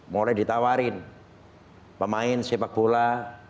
mulai ditawarin pemain sepak bola